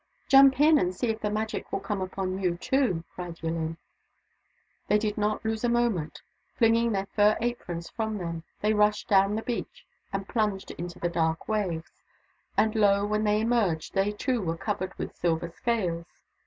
" Jump in, and see if the Magic will come upon you, too," cried Yillin. They did not lose a moment. Flinging their fur aprons from them, they rushed down the beach and plunged into the dark waves. And lo ! when they emerged, they too were covered with silver scales.